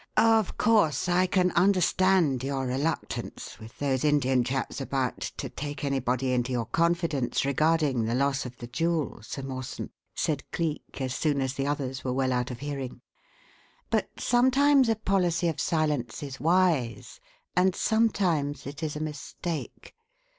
"Of course, I can understand your reluctance, with those Indian chaps about, to take anybody into your confidence regarding the loss of the jewel, Sir Mawson," said Cleek, as soon as the others were well out of hearing; "but sometimes a policy of silence is wise, and sometimes it is a mistake.